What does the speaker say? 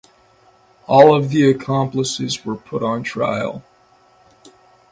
All of the accomplices were put on trial.